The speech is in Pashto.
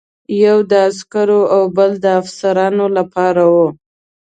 یوه د عسکرو او بله د افسرانو لپاره وه.